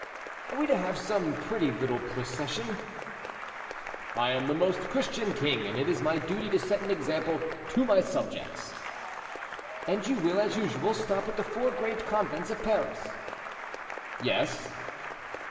"Are we to have some pretty little procession?" "I am the most Christian king, and it is my duty to set an example to my subjects." "And you will, as usual, stop at the four great convents of Paris?" "Yes."